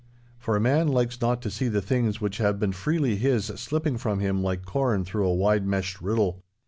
For a man likes not to see the things which have been freely his slipping from him like corn through a wide meshed riddle.